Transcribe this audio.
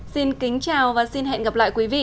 xin kính chào và hẹn gặp lại quý vị